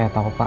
saya tahu pak